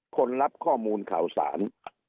รับข้อมูลข่าวสาร